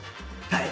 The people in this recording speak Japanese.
はい！